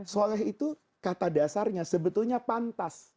soleh itu kata dasarnya sebetulnya pantas